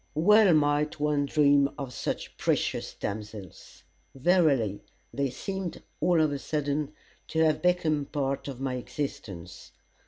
Well might one dream of such precious damsels. Verily, they seemed, all of a sudden, to have become a part of my existence.